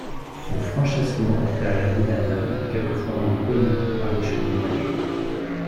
Son franchissement en période hivernale est quelquefois rendu pénible par les chutes de neige.